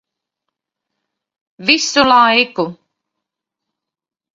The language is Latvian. Visu laiku.